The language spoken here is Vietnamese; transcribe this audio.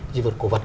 di vật cổ vật